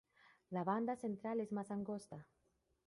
La banda central es más angosta.